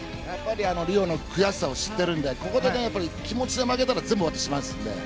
リオの悔しさを知っているのでここで気持ちで負けたら終わりますので。